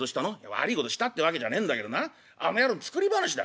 「悪いことしたってわけじゃねえんだけどなあの野郎の作り話だ。